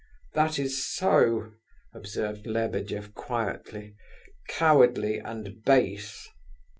"That is so," observed Lebedeff quietly; "cowardly and base."